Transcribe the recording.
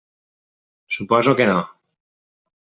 Suposo que no.